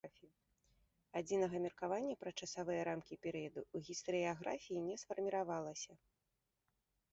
Адзінага меркавання пра часавыя рамкі перыяду ў гістарыяграфіі не сфарміравалася.